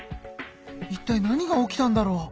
いったい何が起きたんだろう？